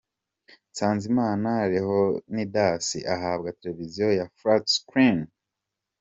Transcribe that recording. Nsanzimana Leonidas ahabwa Televiziyo ya 'Flat Screen'.